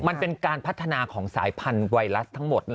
มันเป็นการพัฒนาของสายพันธุไวรัสทั้งหมด